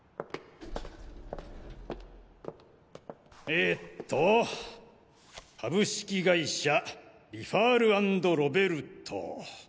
えっと株式会社リファール＆ロベルト。